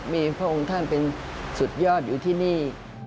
มีพระองค์ท่านเป็นสุดยอดอยู่ที่นี่